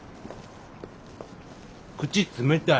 口冷たい。